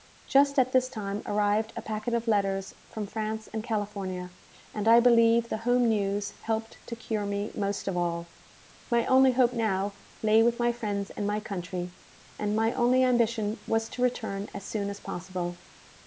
Just at this time arrived a packet of letters from France and California; and I believe the home news helped to cure me most of all. My only hope now lay with my friends and my country, and my only ambition was to return as soon as possible.